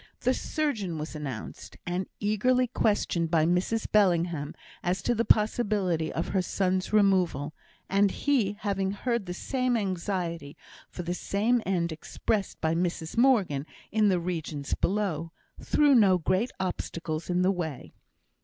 The surgeon was announced, and eagerly questioned by Mrs Bellingham as to the possibility of her son's removal; and he, having heard the same anxiety for the same end expressed by Mrs Morgan in the regions below, threw no great obstacles in the way.